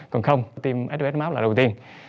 còn không team sos map là đầu tiên